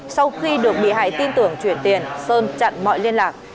sau khi được bị hại tin tưởng chuyển tiền sơn chặn mọi liên lạc